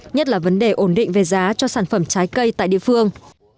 nhất là vấn đề ổn định về giá cho sản phẩm trái cây tại địa phương